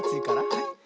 はい。